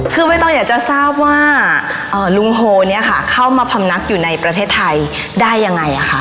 คือไม่ต้องอยากจะทราบว่าลุงโฮเนี่ยค่ะเข้ามาพำนักอยู่ในประเทศไทยได้ยังไงคะ